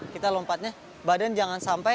kita lompatnya badan jangan sampai